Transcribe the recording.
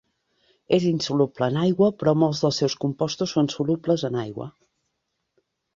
És insoluble en aigua però molts dels seus compostos són solubles en aigua.